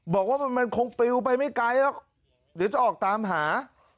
บอกว่ามันคงปลิวไปไม่ไกลหรอกเดี๋ยวจะออกตามหา